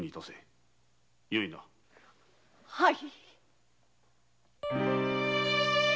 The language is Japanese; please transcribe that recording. はい。